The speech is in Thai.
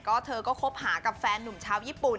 ก็เธอก็คบหากับแฟนหนุ่มชาวญี่ปุ่น